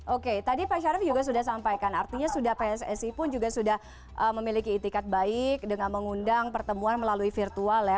oke tadi pak syarif juga sudah sampaikan artinya sudah pssi pun juga sudah memiliki itikat baik dengan mengundang pertemuan melalui virtual ya